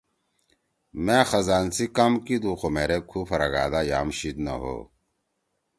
”مأ خزان سی کام کیِدُو خو مھیرے کھو پھرَگا دا یام شیِد نہ ہو۔“